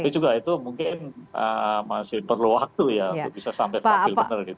tapi juga itu mungkin masih perlu waktu ya untuk bisa sampai stabil